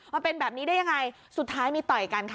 มาเป็นแบบนี้ได้ยังไงสุดท้ายมีต่อยกันค่ะ